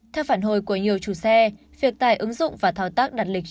theo phản hồi của nhiều chủ xe việc tải ứng dụng và tháo tác đặt lịch